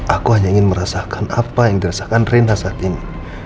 aku hanya ingin merasakan apa yang dirasakan rinda saat ini